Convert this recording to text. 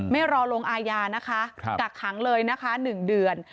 ไม่รอลงอาญานะคะกักขังเลยนะคะ๑เดือน